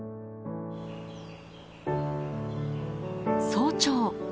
早朝。